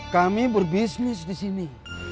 kami berbisnis disini